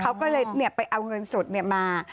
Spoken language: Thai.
เขาก็เลยเนี่ยไปเอาเงินสดเนี่ยมา